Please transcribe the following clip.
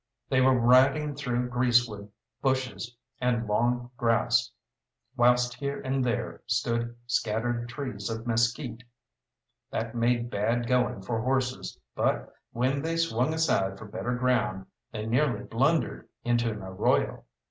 They were riding through greasewood bushes and long grass, whilst here and there stood scattered trees of mesquite. That made bad going for horses, but, when they swung aside for better ground, they nearly blundered into an arroyo.